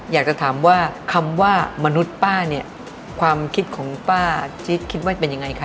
อยากจะถามว่าคำว่ามนุษย์ป้าเนี่ยความคิดของป้าจิ๊กคิดว่าเป็นยังไงคะ